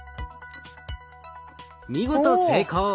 見事成功。